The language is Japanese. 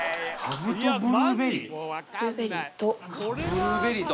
ブルーベリーと。